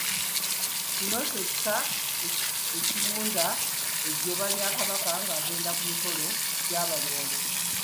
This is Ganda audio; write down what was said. Kino kye kika ekiwunda ejjoba lya Kabaka ng'agenda ku mikolo gy'abalongo.